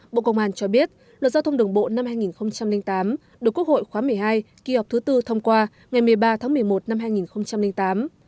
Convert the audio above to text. bộ công an cho biết luật giao thông đường bộ năm hai nghìn tám được quốc hội khóa một mươi hai kỳ họp thứ tư thông qua ngày một mươi ba tháng một mươi một năm hai nghìn tám